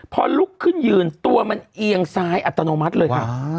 พอลุกขึ้นยืนตัวมันเอียงซ้ายอัตโนมัติเลยค่ะ